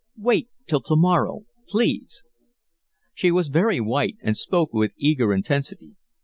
Wait till to morrow, please." She was very white, and spoke with eager intensity.